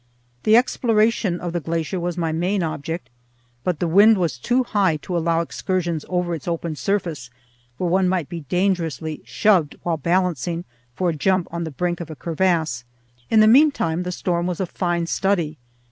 The exploration of the glacier was my main object, but the wind was too high to allow excursions over its open surface, where one might be dangerously shoved while balancing for a jump on the brink of a crevasse. In the mean time the storm was a fine study.